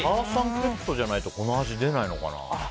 ケットじゃないとこの味出ないのかな。